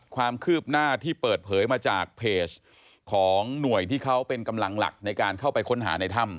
ความคืบหน้าที่เปิดเผยมาจากเพจของหน่วยที่เขาเป็นกำลังหลักในการเข้าไปค้นหาในถ้ำ